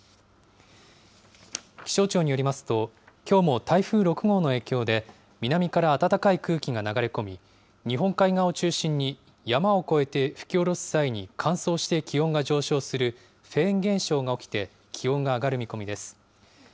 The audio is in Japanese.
気象庁によりますと、きょうも台風６号の影響で、南から暖かい空気が流れ込み、日本海側を中心に山を越えて吹き降ろす際に乾燥して気温が上昇するフェーン現象が起きて気温が上がる見込みです。